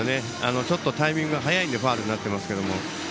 ちょっとタイミングが早いのでファウルになっていますが。